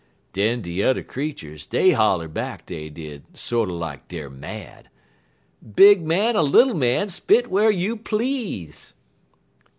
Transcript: "Den de yuther creeturs, dey holler back, dey did, sorter like deyer mad: "'Big man er little man, spit whar you please.'